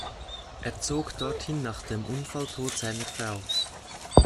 Er zog dorthin nach dem Unfalltod seiner Frau.